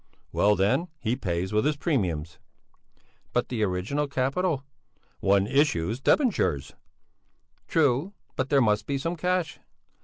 Well then, he pays with his premiums." "But the original capital?" "One issues debentures!" "True, but there must be some cash!"